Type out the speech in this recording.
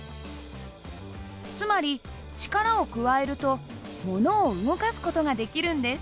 つまり力を加えるとものを動かす事ができるんです。